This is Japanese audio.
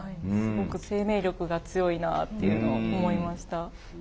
すごく生命力が強いなあっていうのを思いました。